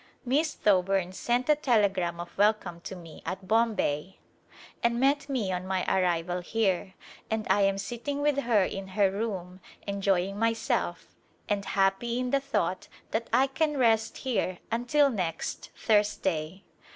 Miss Thoburn sent a telegram of welcome to me at Bombay and met me on my arrival here and I am sitting with her in her room enjoying myself and A Glimpse of India happy in the thought that I can rest here until next Thursday.